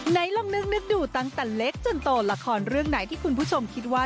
ลองนึกดูตั้งแต่เล็กจนโตละครเรื่องไหนที่คุณผู้ชมคิดว่า